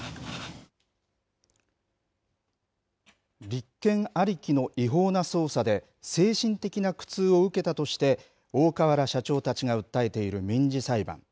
立件ありきの違法な捜査で、精神的な苦痛を受けたとして、大川原社長たちが訴えている民事裁判。